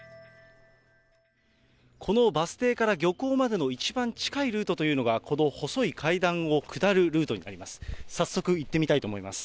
このバス停から漁港までの一番近いルートというのが、この細い階段を下るルートになります。